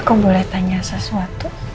aku boleh tanya sesuatu